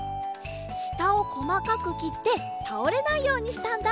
したをこまかくきってたおれないようにしたんだ。